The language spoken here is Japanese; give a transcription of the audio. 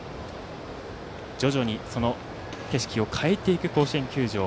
徐々にその景色を変えていく甲子園球場。